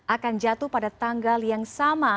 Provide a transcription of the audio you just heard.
akan jatuh pada tanggal yang sama